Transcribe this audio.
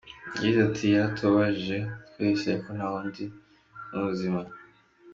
Yagize ati “Yaratubabaje twese ariko ntakundi ni ubuzima.